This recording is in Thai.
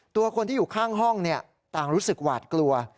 ตัวคนที่อยู่ข้างห้องต่างรู้สึกหวาดกลัว